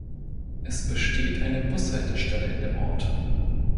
Es besteht eine Bushaltestelle in dem Ort.